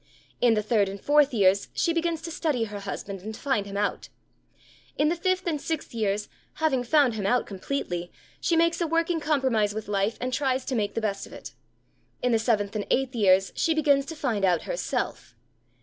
In the third and fourth years she begins to study her husband and to find him out. In the fifth and sixth years, having found him out completely, she makes a working compromise with life and tries to make the best of it. In the seventh and eighth years she begins to find out herself.